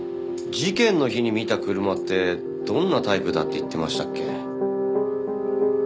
事件の日に見た車ってどんなタイプだって言ってましたっけ？